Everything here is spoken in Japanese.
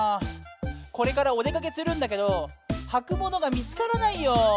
これからお出かけするんだけどはくものが見つからないよ。